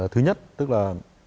thứ nhất tức là